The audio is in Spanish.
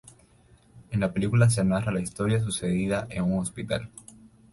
En la película se narra la historia sucedida en un hospital.